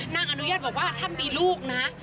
อนุญาตบอกว่าถ้ามีลูกนะ